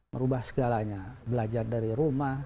merubah segalanya belajar dari rumah